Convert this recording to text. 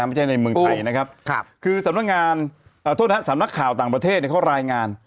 ไม่ใช่ในเมืองไทยนะครับคือสำนักงานโทษนะครับสำนักข่าวต่างประเทศเนี่ยเขารายงาน